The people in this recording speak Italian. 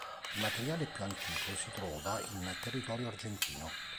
Il materiale più antico si trova in territorio argentino.